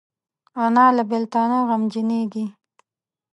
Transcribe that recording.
انا له بیلتانه غمجنېږي